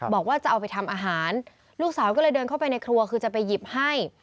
บอกว่าจะเอาไปทำอาหารลูกสาวก็เลยเดินเข้าไปในครัวคือจะไปหยิบให้